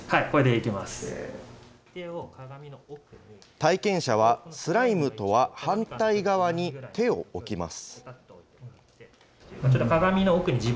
体験者は、スライムとは反対側に手を置きます。